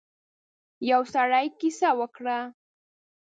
يو سړی کيسه وکړه.